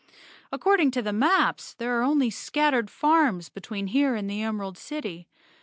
According to the maps there are only scattered farms between here and the Emerald City.